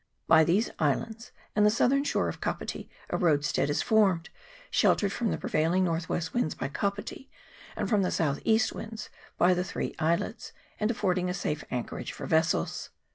By these islands and the southern shore of Kapiti a roadstead is formed, sheltered from the prevailing north west winds by Kapiti, and from the south east winds by the three islets, and affording a safe anchorage for vessels.